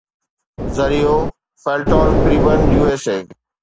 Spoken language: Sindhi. ذريعو Falton Prebin USA